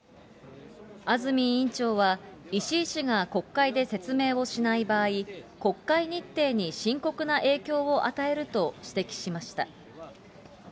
安住委員長は、石井氏が国会で説明をしない場合、国会日程に深刻な影響を与えると指摘しました。